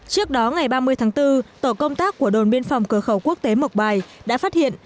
trước đó ngày ba mươi tháng bốn tổ công tác của đồn biên phòng cửa khẩu quốc tế mộc bài đã phát hiện